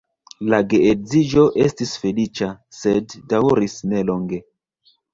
La geedziĝo estis feliĉa, sed daŭris nelonge.